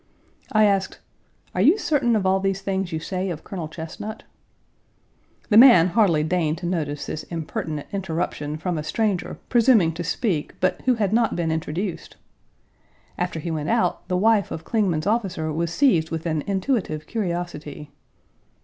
I asked: "Are you certain of all these things you say of Colonel Chesnut?" The man hardly deigned to notice this impertinent interruption from a stranger presuming to speak but who had not been introduced! After he went out, the wife of Clingman's officer was seized with an intuitive curiosity.